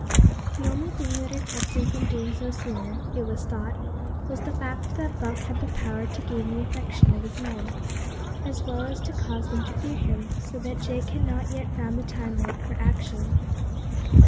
The only thing that had kept him from doing so sooner, it was thought, was the fact that Buck had the power to gain the affection of his men, as well as to cause them to fear him, so that Jake had not yet found the time ripe for action.